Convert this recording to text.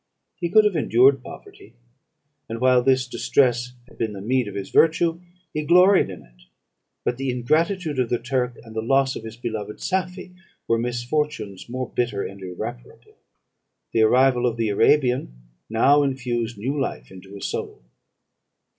He could have endured poverty; and while this distress had been the meed of his virtue, he gloried in it: but the ingratitude of the Turk, and the loss of his beloved Safie, were misfortunes more bitter and irreparable. The arrival of the Arabian now infused new life into his soul.